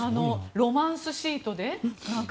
ロマンスシートでですか？